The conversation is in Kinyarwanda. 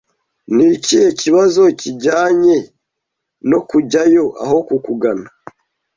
Ni ikihe kibazo kijyanye no kujyayo aho kukugana?